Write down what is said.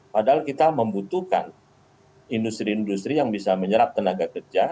padahal kita membutuhkan industri industri yang bisa menyerap tenaga kerja